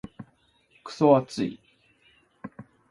クソ暑い。